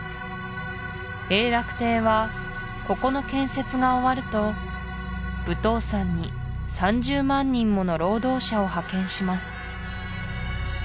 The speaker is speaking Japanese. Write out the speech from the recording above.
永楽帝はここの建設が終わると武当山に３０万人もの労働者を派遣します